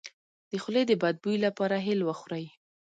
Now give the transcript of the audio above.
د خولې د بد بوی لپاره هل وخورئ